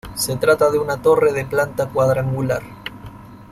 Se trata de una torre de planta cuadrangular.